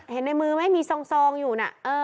ในมือไหมมีซองอยู่นะ